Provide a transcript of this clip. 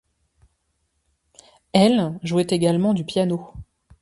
El jouait également du piano.